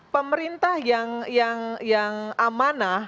pemerintah yang amanah